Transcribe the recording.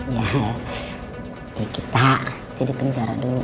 ya kita jadi penjara dulu